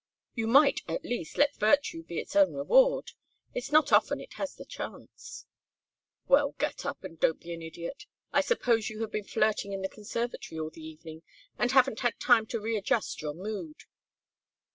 "You might, at least, let virtue be its own reward. It's not often it has the chance." "Well, get up and don't be an idiot. I suppose you have been flirting in the conservatory all the evening and haven't had time to readjust your mood."